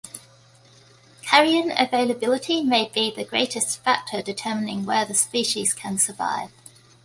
Carrion availability may be the greatest factor determining where the species can survive.